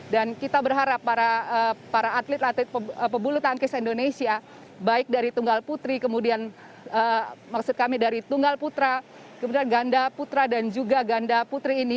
dan kita berharap para atlet atlet pebuluh tangkis indonesia baik dari tunggal putri kemudian maksud kami dari tunggal putra kemudian ganda putra dan juga ganda putri ini